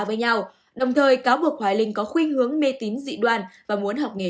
với nhau đồng thời cáo buộc hoài linh có khuyên hướng mê tín dị đoan và muốn học nghề